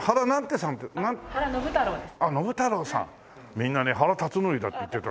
みんなね原辰徳だって言ってた。